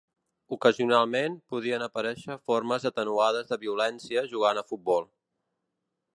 Ocasionalment, podien aparèixer formes atenuades de violència jugant a futbol.